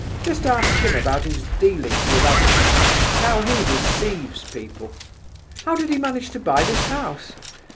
just ask him about his dealings with others, how he deceives people! How did he manage to buy this house?